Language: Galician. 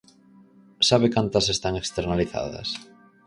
¿Sabe cantas están externalizadas?